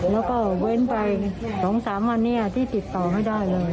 แล้วก็เว้นไป๒๓วันนี้ที่ติดต่อไม่ได้เลย